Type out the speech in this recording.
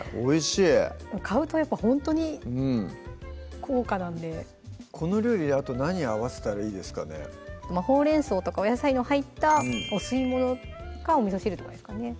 買うとほんとに高価なんでこの料理にあと何合わせたらいいですかねほうれん草とかお野菜の入ったお吸い物かおみそ汁とかですかね